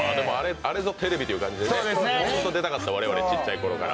あれぞテレビという感じで、我々は本当に出たかった小さいころから。